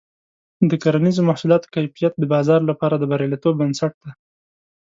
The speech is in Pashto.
د کرنیزو محصولاتو کیفیت د بازار لپاره د بریالیتوب بنسټ دی.